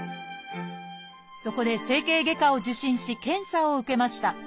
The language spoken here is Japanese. そこで整形外科を受診し検査を受けました。